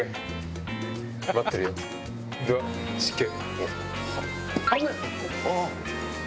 では失敬。